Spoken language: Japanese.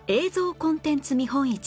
コンテンツ見本市